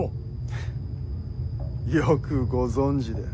フッよくご存じで。